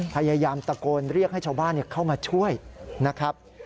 พยายามตะโกนเรียกให้ชาวบ้านเข้ามาช่วยนะครับ